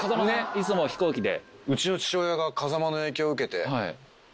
いつも飛行機で。